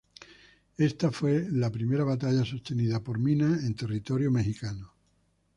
Esta fue la primera batalla sostenida por Mina en territorio mexicano.